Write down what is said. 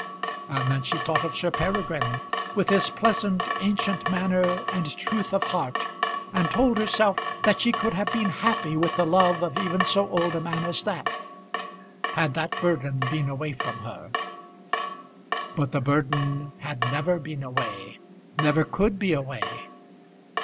And then she thought of Sir Peregrine, with his pleasant, ancient manner and truth of heart, and told herself that she could have been happy with the love of even so old a man as that, had that burden been away from her! But the burden had never been away never could be away.